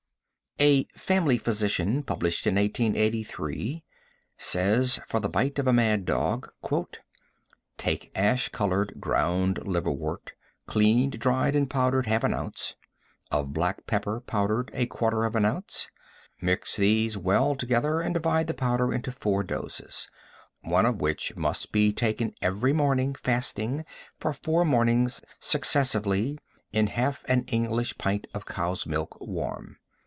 A "Family Physician," published in 1883, says, for the bite of a mad dog: "Take ash colored ground liverwort, cleaned, dried, and powdered, half an ounce; of black pepper, powdered, a quarter of an ounce. Mix these well together, and divide the powder into four doses, one of which must be taken every morning, fasting, for four mornings successively in half an English pint of cow's milk, warm.